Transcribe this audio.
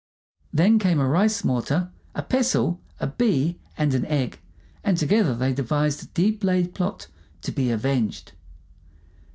Then came a rice mortar, a pestle, a bee, and an egg, and together they devised a deep laid plot to be avenged.